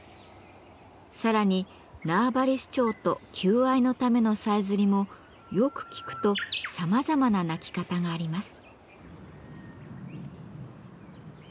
さらに縄張り主張と求愛のためのさえずりもよく聞くとさまざまな鳴き方があります。